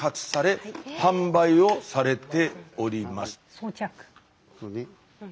装着。